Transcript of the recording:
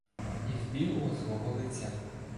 І з білого свого лиця